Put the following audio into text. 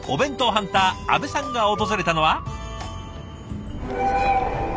ハンター阿部さんが訪れたのは。